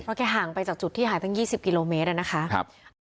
แกห่างไปจากจุดที่หายตั้ง๒๐กิโลเมตรนะคะ